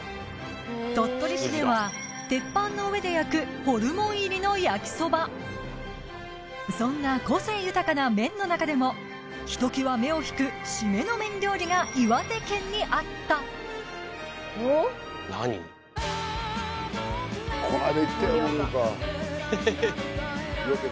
鳥取市では鉄板の上で焼くホルモン入りの焼きそばそんな個性豊かな麺の中でもひときわ目を引く〆の麺料理が岩手県にあったこの間行ったよ